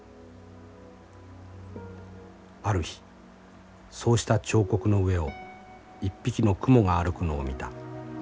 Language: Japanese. ある日そうした彫刻の上を１匹のクモが歩くのを見た。